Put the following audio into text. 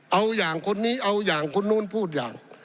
เอาอย่างคนนี้เอาอย่างคนนู้นพูดอย่าง